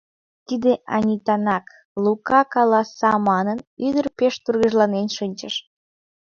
«Тиде Анитанак» — Лука каласа манын, ӱдыр пеш тургыжланен шинчыш.